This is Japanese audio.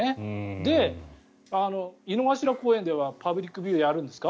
で、井の頭公園ではパブリックビューイングやるんですか？